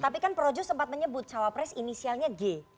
tapi kan projo sempat menyebut cawapres inisialnya g